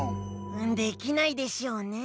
できないでしょうね。